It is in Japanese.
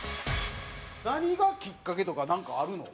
何がきっかけとかなんかあるの？